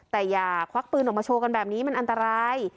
แต่อย่าควักปืนออกมาโชว์กันแบบนี้มันอันตราย